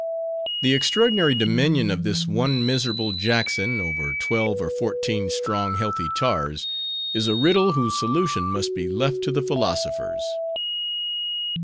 The extraordinary dominion of this one miserable Jackson, over twelve or fourteen strong, healthy tars, is a riddle, whose solution must be left to the philosophers.